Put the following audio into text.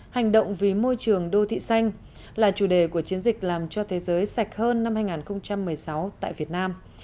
hành động vì môi trường đô thị xanh là chủ đề của chiến dịch làm cho thế giới sạch hơn năm hai nghìn một mươi sáu tại việt nam